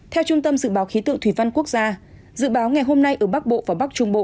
theo trung tâm dự báo khí tượng thủy văn quốc gia dự báo ngày hôm nay ở bắc bộ và bắc trung bộ